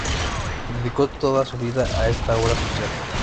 Dedicó toda su vida a esta obra social.